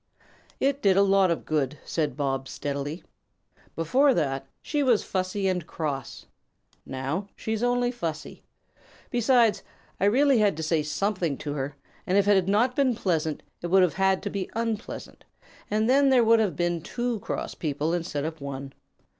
"It did a lot of good," said Bobs, steadily. "Before that she was fussy and cross. Now she is only fussy. Besides, I really had to say something to her, and if it had not been pleasant it would have had to be unpleasant, and then there would have been two cross people instead of one.